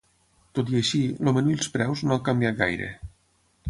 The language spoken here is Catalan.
Tot i així, el menú i els preus no han canviat gaire.